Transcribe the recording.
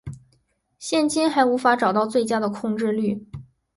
现今还无法找到最佳的控制律。